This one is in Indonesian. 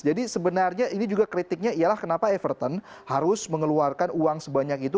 jadi sebenarnya ini juga kritiknya ialah kenapa everton harus mengeluarkan uang sebanyak itu